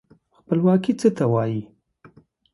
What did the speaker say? خپلواکي څه ته وايي.